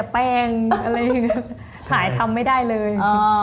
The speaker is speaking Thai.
ไผ่ทำไม่ได้เลย